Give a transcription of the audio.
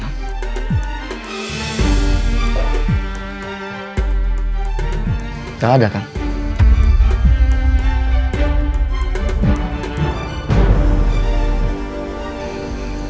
gak ada kan